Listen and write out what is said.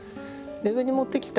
上に持ってきた